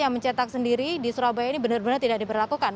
yang mencetak sendiri di surabaya ini benar benar tidak diberlakukan